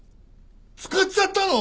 使っちゃったの！？